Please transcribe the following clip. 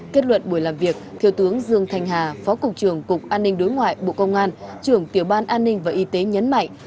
kết luận buổi làm việc thiếu tướng dương thanh hà phó cục trưởng cục an ninh đối ngoại bộ công an trưởng tiểu ban an ninh và y tế nhấn mạnh